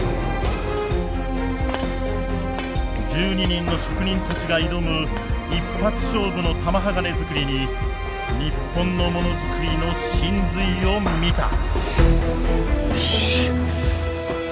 １２人の職人たちが挑む一発勝負の玉鋼づくりに日本のものづくりの神髄を見た。